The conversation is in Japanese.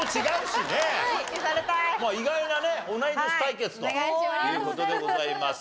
意外なね同い年対決という事でございます。